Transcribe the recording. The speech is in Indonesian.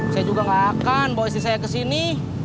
saya juga nggak akan bawa istri saya ke sini